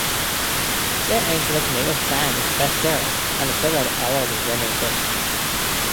They include New York Times bestsellers and several award-winning books.